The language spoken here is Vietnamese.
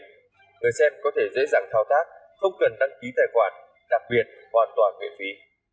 người xem có thể dễ dàng thao tác không cần đăng ký tài khoản đặc biệt hoàn toàn miễn phí